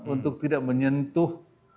untuk tidak menyentuh